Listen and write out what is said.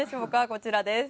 こちらです。